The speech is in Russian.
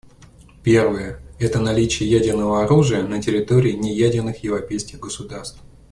Первая — это наличие ядерного оружия на территории неядерных европейских государств.